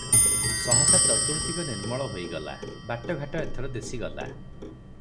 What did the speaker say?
ସହସା ଚତୁର୍ଦିଗ ନିର୍ମଳ ହୋଇଗଲା, ବାଟ ଘାଟ ଏଥର ଦିଶିଗଲା ।